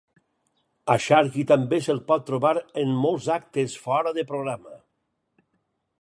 A Sharky també se'l pot trobar en molts actes fora de programa.